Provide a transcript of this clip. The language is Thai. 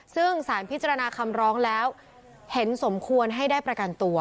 ซึ่งสารพิจารณาคำร้องแล้วเห็นสมควรให้ได้ประกันตัว